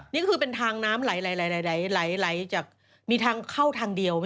นี่คือเป็นทางน้ำไหลจากมีทางเข้าทางเดียว